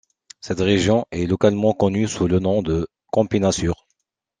Cette région est localement connue sous le nom de Campina sur.